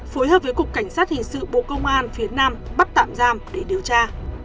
phối hợp với cục cảnh sát hình sự bộ công an phía nam bắt tạm giam để điều tra